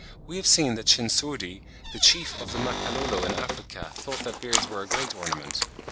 We have seen that Chinsurdi, the chief of the Makalolo in Africa, thought that beards were a great ornament.